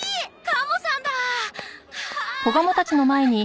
カモさんだあ！